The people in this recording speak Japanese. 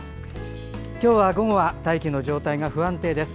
午後は大気の状態が不安定です。